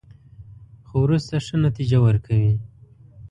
خو وروسته ښه نتیجه ورکوي.